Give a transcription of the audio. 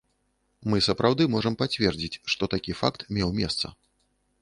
Мы сапраўды можам пацвердзіць, што такі факт меў месца.